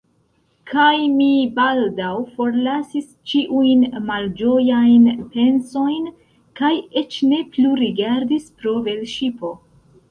Kaj mi baldaŭ forlasis ĉiujn malĝojajn pensojn, kaj eĉ ne plu rigardis pro velŝipo.